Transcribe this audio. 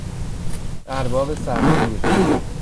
ارباب سختگیر